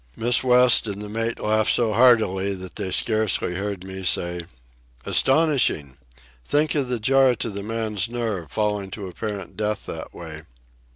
Miss West and the mate laughed so heartily that they scarcely heard me say: "Astonishing! Think of the jar to the man's nerves, falling to apparent death that way."